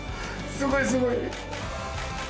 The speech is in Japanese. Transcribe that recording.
すごいすごい！